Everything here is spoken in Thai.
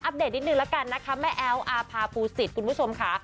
เดตนิดนึงแล้วกันนะคะแม่แอ๊วอาภาปูศิษฐ์คุณผู้ชมค่ะ